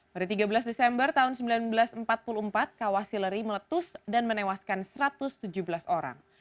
pada tiga belas desember tahun seribu sembilan ratus empat puluh empat kawah sileri meletus dan menewaskan satu ratus tujuh belas orang